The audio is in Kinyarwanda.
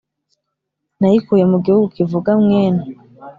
Nayikuye mu gihugu kivuga "mwenu" !